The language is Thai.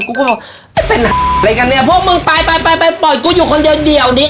กูบอกไอ้เป็นอะไรกันเนี้ยพวกมึงไปไปไปไปปล่อยกูอยู่คนเดียวเดียวนี้